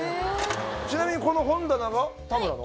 ちなみにこの本棚が田村の？